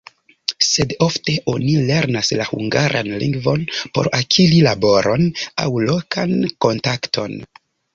Sed ofte oni lernas la hungaran lingvon por akiri laboron aŭ lokan kontakton.